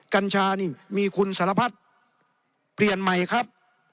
กัญชานี่มีคุณสารพัฒน์เปลี่ยนใหม่ครับ